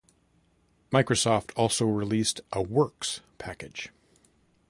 Microsoft also released a Works package.